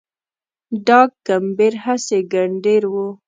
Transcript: ډاګ کمبېر هسي ګنډېر و